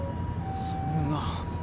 そんな。